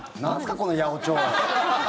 この八百長！